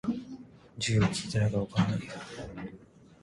岩手県紫波町